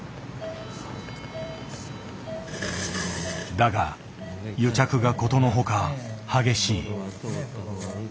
だが癒着がことのほか激しい。